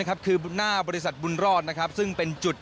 คือหน้าบริษัทบุญรอต